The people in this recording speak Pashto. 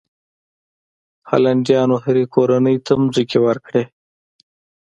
هالنډیانو هرې کورنۍ ته ځمکې ورکړې.